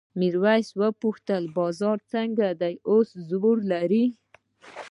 میرويس وپوښتل بازار څنګه دی اوس زور لري؟